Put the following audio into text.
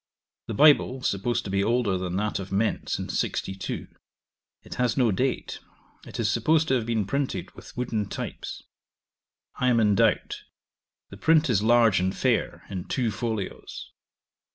The Bible, supposed to be older than that of Mentz, in 62: it has no date; it is supposed to have been printed with wooden types. I am in doubt; the print is large and fair, in two folios.